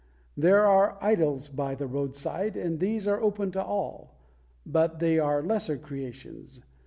There are idols by the roadside, and these are open to all; but they are lesser creations.